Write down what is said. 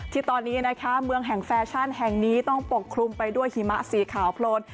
ที่ตอนนี้นะคะเมืองแห่งแฟชั่นแห่งนี้ต้องปกคลุมไปด้วยหิมะสีขาวโพลน